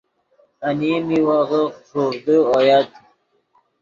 انیم میوغے خوݰوڤدے اویت۔